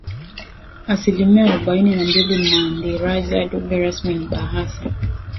Asilimia arobaini na mbili Mandiraja Lugha rasmi ni Bahasa